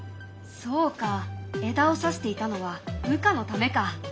そうか枝をさしていたのは羽化のためか。